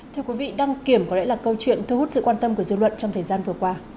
thưa quý vị đăng kiểm có lẽ là câu chuyện thu hút sự quan tâm của dư luận trong thời gian vừa qua